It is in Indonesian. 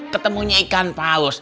ketemunya ikan paus